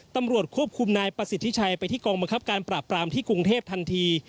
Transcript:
ตำรวจควบคุมนายประสิทธิชัยไปที่กองบังคับการปราบปรามที่กรุงเทพทันที